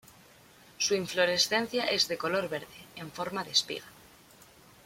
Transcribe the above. Su inflorescencia es de color verde, en forma de espiga.